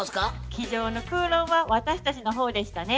机上の空論は私たちの方でしたね。